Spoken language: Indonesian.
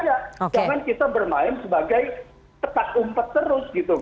jangan kita bermain sebagai cetak umpet terus gitu